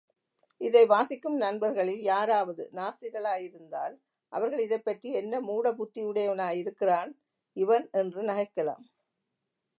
இதை வாசிக்கும் நண்பர்களில், யாராவது நாஸ்திகர்களாயிருந்தால் அவர்கள் இதைப்பற்றி என்ன மூட புத்தியுடையவனாயிருக்கிறான் இவன் என்று நகைக்கலாம்.